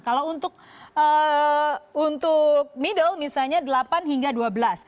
kalau untuk middle misalnya delapan hingga dua belas